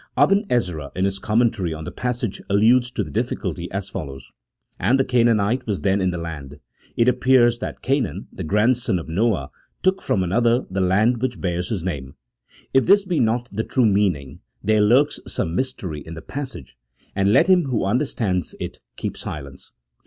Aben Ezra, in his commentary on the passage, alludes to the difficulty as follows: — "And the Canaanite was then in the land : it appears that Canaan, the grandson of Noah,, took from another the land which bears his name ; if this be not the true meaning, there lurks some mystery in the pas sage, and let him who understands it keep silence."